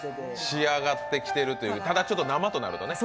仕上がってきてるという、ただ生となるとね。